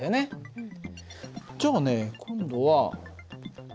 うん。